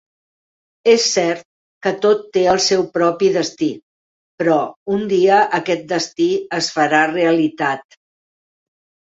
És cert que tot té el seu propi destí, però un dia aquest destí es farà realitat.